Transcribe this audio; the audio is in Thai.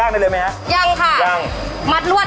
มีประมาณประมาณ๙๑๐รู